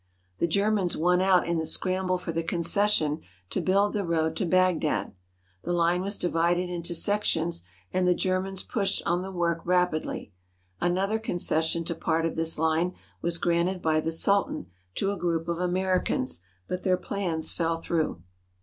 The Germans won out in the scramble for the concession to build the road to Bagdad. The line was divided into sections and the Germans pushed on the work rapidly. Another concession to part of this line was granted by the Sultan to a group of Americans, but their plans fell through.